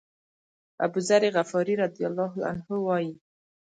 أبوذر غفاري رضی الله عنه وایي.